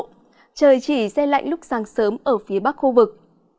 trời chỉ xe lạnh lúc sáng sớm ở phía bắc khu vực